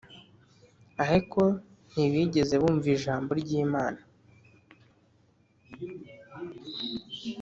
Ariko ntibigeze bumva ijambo ry imana